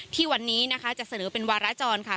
ที่วันนี้นะคะจะเสนอเป็นวาราจรค่ะ